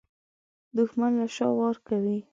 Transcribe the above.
دښمن له شا وار کوي